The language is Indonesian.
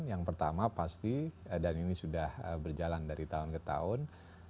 yang pertama pasti dan ini sudah berjalan dari tahun ke tahun